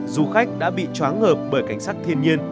du khách đã bị chóa ngợp bởi cảnh sát thiên nhiên